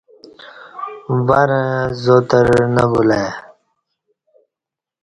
ورں زاتر نہ بُلہ ای